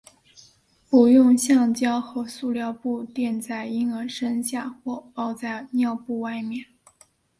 不用橡胶和塑料布垫在婴儿身下或包在尿布外面。